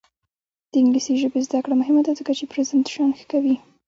د انګلیسي ژبې زده کړه مهمه ده ځکه چې پریزنټیشن ښه کوي.